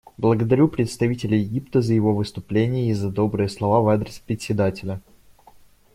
Благодарю представителя Египта за его выступление и за добрые слова в адрес Председателя.